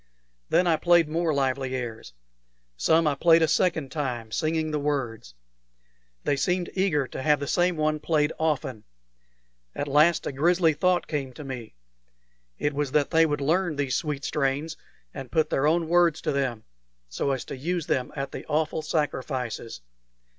Then I played more lively airs. Some I played a second time, singing the words. They seemed eager to have the same one played often. At last a grisly thought came to me: it was that they would learn these sweet strains, and put their own words to them so as to use them at the awful sacrifices.